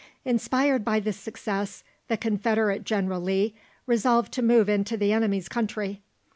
Inspired by this success, the Confederate General Lee resolved to move into the enemy's country.